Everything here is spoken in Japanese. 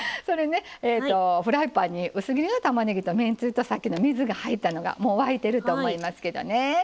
フライパンに薄切りのたまねぎとめんつゆとさっきの水が入ったのがもう沸いてると思いますけどね。